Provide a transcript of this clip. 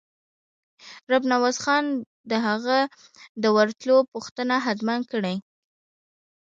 رب نواز خان د هغه د ورتلو پوښتنه حتماً کړې.